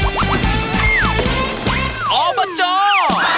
อบจหาเจาะ